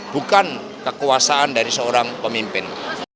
bukan kekuasaan dari seorang pemimpin